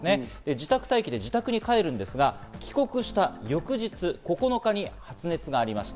自宅待機で自宅に帰るんですが、帰国した翌日、９日に発熱がありました。